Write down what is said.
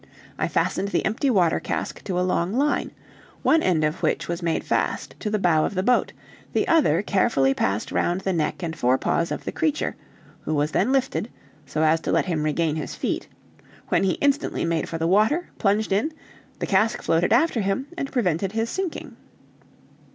I fastened the empty water cask to a long line, one end of which was made fast to the bow of the boat, the other carefully passed round the neck and fore paws of the creature, who was then lifted, so as to let him regain his feet, when he instantly made for the water, plunged in, the cask floated after him, and prevented his sinking.